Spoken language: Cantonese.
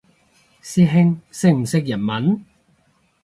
師兄識唔識日文？